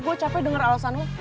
gue capek denger alesannya